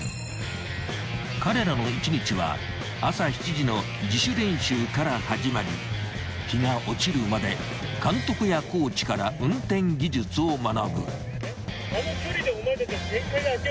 ［彼らの１日は朝７時の自主練習から始まり日が落ちるまで監督やコーチから運転技術を学ぶ］